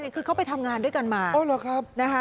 คือเขาไปทำงานด้วยกันมาอ๋อเหรอครับ